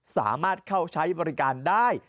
สามารถเข้าใช้บริการได้